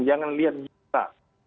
jangan lihat juta